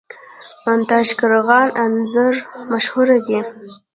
د تاشقرغان انځر مشهور دي